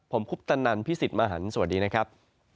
ผมคุปตนันพี่สิทธิ์มหันฯสวัสดีนะครับ